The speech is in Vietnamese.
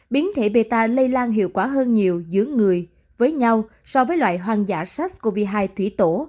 biến thể meta lây lan hiệu quả hơn nhiều giữa người với nhau so với loại hoang dã sars cov hai thủy tổ